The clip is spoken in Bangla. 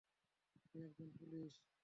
সে একজন পুলিশ!